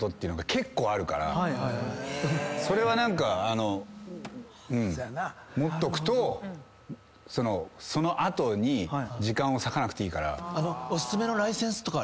それは何か持っとくとその後に時間を割かなくていいから。